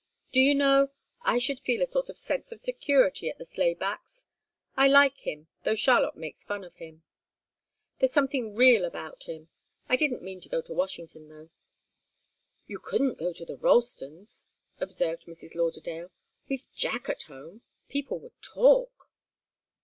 Do you know? I should feel a sort of sense of security at the Slaybacks'. I like him, though Charlotte makes fun of him. There's something real about him. I didn't mean to go to Washington, though." "You couldn't go to the Ralstons'," observed Mrs. Lauderdale. "With Jack at home people would talk."